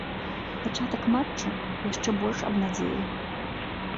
Пачатак матчу яшчэ больш абнадзеіў.